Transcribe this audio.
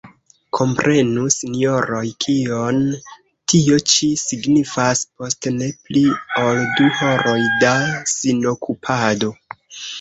Komprenu, sinjoroj, kion tio ĉi signifas: « post ne pli ol du horoj da sinokupado ».